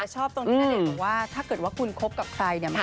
ชอบตรงที่ณเดชน์บอกว่าถ้าเกิดว่าคุณคบกับใครเนี่ย